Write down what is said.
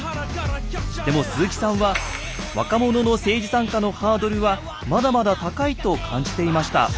でも鈴木さんは「若者の政治参加のハードルはまだまだ高い」と感じていました。